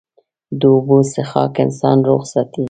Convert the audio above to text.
د اوبو څښاک انسان روغ ساتي.